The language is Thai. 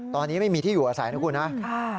ตอนนี้ไม่มีที่อยู่อาศัยนะครับ